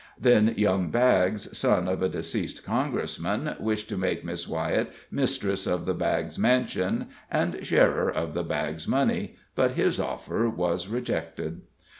Then young Baggs, son of a deceased Congressman, wished to make Miss Wyett mistress of the Baggs mansion and sharer of the Baggs money, but his offer was rejected.